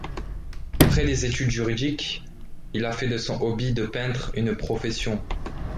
Après des études juridiques, il a fait de son hobby de peintre une profession.